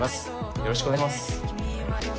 よろしくお願いします。